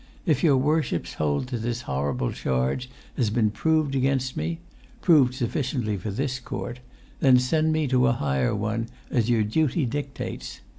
If your worships hold that this horrible charge has been proved against me—proved sufficiently for this court—then send me to a higher one as your duty dictates.